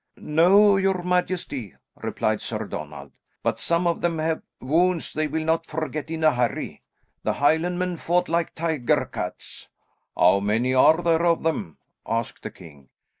"No, your majesty," replied Sir Donald, "but some of them have wounds they will not forget in a hurry; the Highlandmen fought like tiger cats." "How many are there of them?" asked the king.